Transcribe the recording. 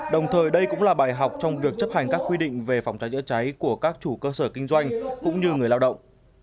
đồng thời đây cũng là bài học trong việc chấp hành các quy định về phòng cháy chữa cháy của các chủ cơ sở kinh doanh cũng như người lao động